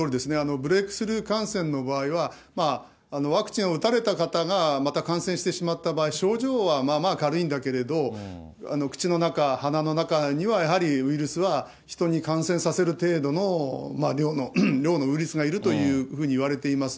ブレークスルー感染の場合は、ワクチンを打たれた方がまた感染してしまった場合、症状はまあまあ軽いんだけど、口の中、鼻の中にはやはりウイルスは人に感染させる程度の量のウイルスがいるというふうにいわれています。